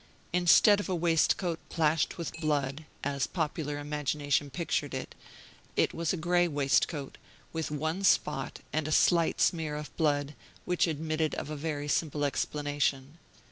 Instead of a waistcoat plashed with blood as popular imagination pictured it it was a gray waistcoat, with one spot and a slight smear of blood, which admitted of a very simple explanation.